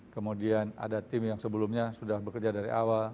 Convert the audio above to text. kemudian ada tim yang sebelumnya sudah bekerja dari awal